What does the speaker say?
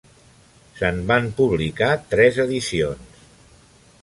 Se'n van publicar tres edicions.